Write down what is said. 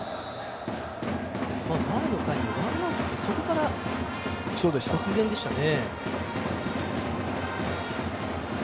前の回のワンアウトのあとそこから、突然でしたね。